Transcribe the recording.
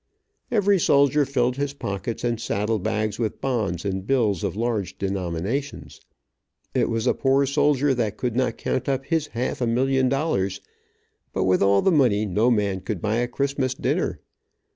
Every soldier filled his pockets and saddle bags with bonds and bills of large denominations. It was a poor soldier that could not count up his half a million dollars, but with all the money no man could buy a Christmas dinner.